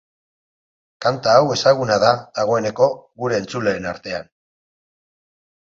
Kanta hau ezaguna da, dagoeneko, gure entzuleen artean.